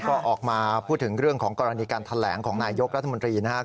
ก็ออกมาพูดถึงเรื่องของกรณีการแถลงของนายยกรัฐมนตรีนะครับ